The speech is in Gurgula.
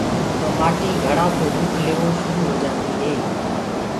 تو مآٽي گھڙآ ڪو روُپ ليوو شُرو هوجآندي هي۔